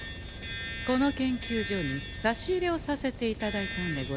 この研究所に差し入れをさせていただいたんでござんすよ。